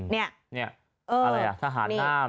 นี่อะไรอ่ะทหารหน้า